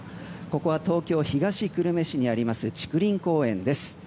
ここは東京・東久留米市にあります、竹林公園です。